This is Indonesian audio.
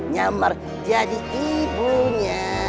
nyamar jadi ibunya